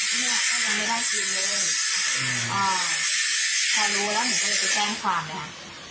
เนี่ยก็ยังไม่ได้คืนเลยอ่าพอรู้แล้วหนูก็เลยไปแจ้งความเลยค่ะ